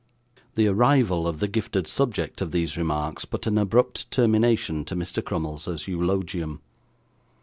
The arrival of the gifted subject of these remarks put an abrupt termination to Mr. Crummles's eulogium.